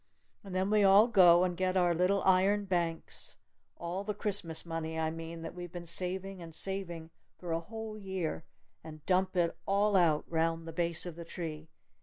And then we all go and get our little iron banks all the Christmas money, I mean, that we've been saving and saving for a whole year! And dump it all out round the base of the tree!